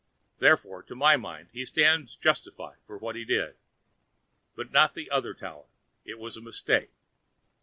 Therefore, to my mind, he stands justified for what he did. But not for the other Tower; it was a mistake.